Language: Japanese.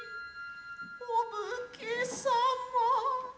御武家様。